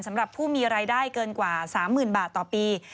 สำหรับผู้มีรายได้เกินกว่า๓๐๐๐บาทต่อปี